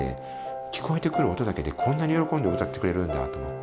聞こえて来る音だけでこんなに喜んで歌ってくれるんだと思って。